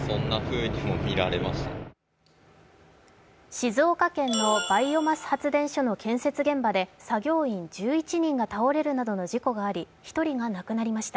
静岡県のバイオマス発電所の建設現場で作業員１１人が倒れるなどの事故があり１人が亡くなりました。